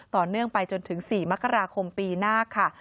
ต่อเนื่องไปจนถึง๔มกราคมปีหน้าค่ะ